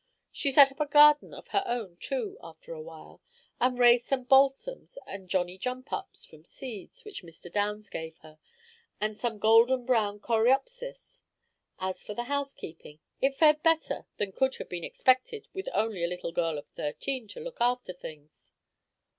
She set up a garden of her own, too, after a while, and raised some balsams and "Johnny jump ups" from seeds which Mr. Downs gave her, and some golden brown coreopsis. As for the housekeeping, it fared better than could have been expected with only a little girl of thirteen to look after things.